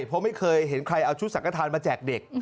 เพราะไม่เคยเห็นใครเอาชุดสังฆฐานมาแจกเด็ก